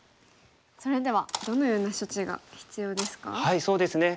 それではどのような処置が必要ですか？